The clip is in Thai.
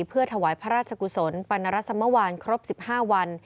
เพื่อถวายพระราชกุศลปรณรสมวานครบ๑๕วัน